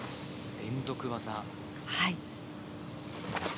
連続技。